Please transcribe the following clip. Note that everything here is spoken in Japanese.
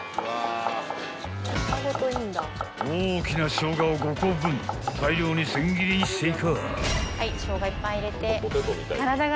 ［大きなしょうがを５個分大量に千切りにしていく］